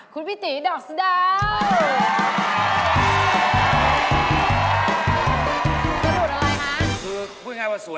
คุณพิติดอกซาดาว